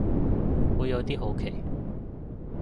會有啲好奇